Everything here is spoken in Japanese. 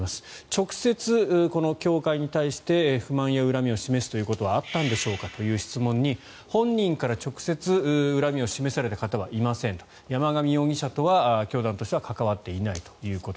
直接、この教会に対して不満や恨みを示すということはあったんでしょうかという質問に本人から直接恨みを示された方はいませんと山上容疑者とは教団としては関わっていないと。